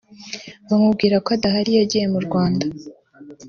bamubwira ko adahari yagiye mu Rwanda